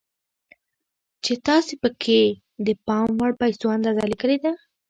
چې تاسې پکې د پام وړ پيسو اندازه ليکلې ده.